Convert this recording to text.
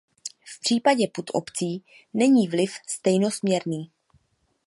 V případě put opcí není vliv stejnosměrný.